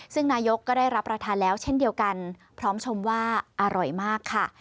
ซึ่งนายกก็ได้รับประทานแล้วเช่นเดียวกันพร้อมชมว่าอร่อยมากค่ะ